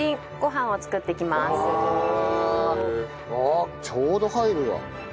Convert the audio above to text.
あっちょうど入るわ。